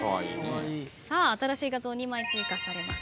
新しい画像２枚追加されます。